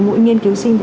mỗi nghiên cứu sinh